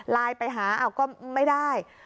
ไลน์ไปหาก็ไม่ได้